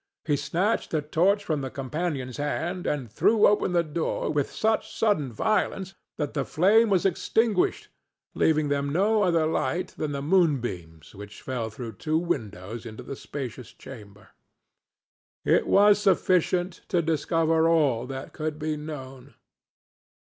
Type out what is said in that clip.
He snatched the torch from his companion's hand, and threw open the door with such sudden violence that the flame was extinguished, leaving them no other light than the moonbeams which fell through two windows into the spacious chamber. It was sufficient to discover all that could be known.